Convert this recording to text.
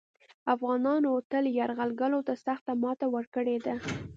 افغانانو تل یرغلګرو ته سخته ماته ورکړې ده